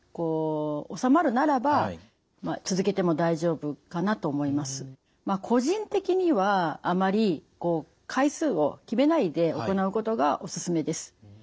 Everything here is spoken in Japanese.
目安として個人的にはあまり回数を決めないで行うことがおすすめです。